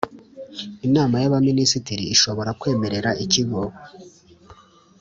Inama y Abaminisitiri ishobora kwemerera ikigo